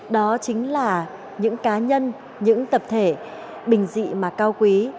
đó chính là những cá nhân những tập thể bình dị mà cao quý